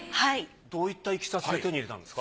どういったいきさつで手に入れたんですか？